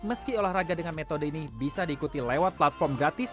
meski olahraga dengan metode ini bisa diikuti lewat platform gratis